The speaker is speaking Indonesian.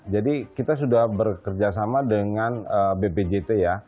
jadi kita sudah bekerjasama dengan bpjt ya